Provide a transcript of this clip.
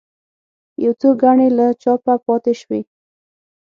یو څو ګڼې له چاپه پاتې شوې.